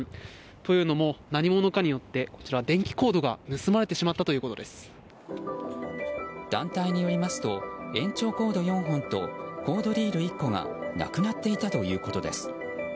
というのも、何者かによって電気コードが団体によりますと延長コード４本とコードリール１個がなくなっていたということです。